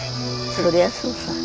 そりゃそうさ。